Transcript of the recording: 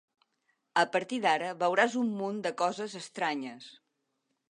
A partir d'ara veuràs un munt de coses estranyes.